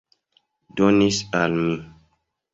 Donis al mi.